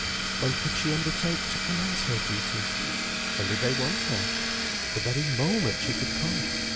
When could she undertake to commence her duties? When did they want her? The very moment she could come.